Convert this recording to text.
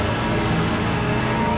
aku sudah berusaha untuk menghentikanmu